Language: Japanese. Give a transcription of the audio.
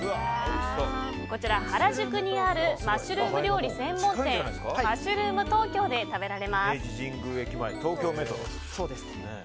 こちら原宿にあるマッシュルーム料理専門店マッシュルームトーキョーで食べられます。